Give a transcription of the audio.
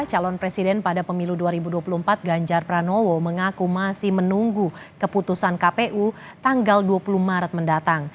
calon presiden pada pemilu dua ribu dua puluh empat ganjar pranowo mengaku masih menunggu keputusan kpu tanggal dua puluh maret mendatang